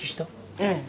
ええ。